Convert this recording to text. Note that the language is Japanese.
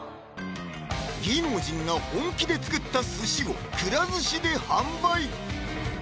芸能人が本気で作った寿司をくら寿司で販売！